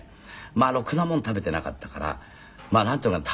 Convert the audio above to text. まあろくなもん食べていなかったからまあなんていうのかな。